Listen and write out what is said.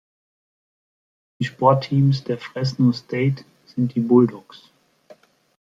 Die Sportteams der Fresno State sind die "Bulldogs".